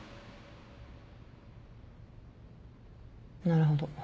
なるほど。